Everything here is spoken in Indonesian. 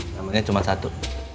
namanya cuma satu